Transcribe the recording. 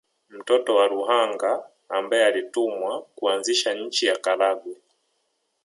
Mtoto wa Ruhanga ambaye alitumwa kuanzisha nchi ya Karagwe